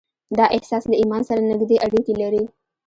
دا احساس له ايمان سره نږدې اړيکې لري.